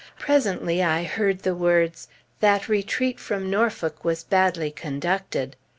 Presently I heard the words, "That retreat from Norfolk was badly conducted."